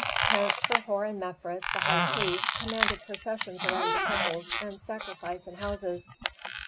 Hence Herhor and Mefres, the high priests, commanded processions around the temples and sacrifice in houses.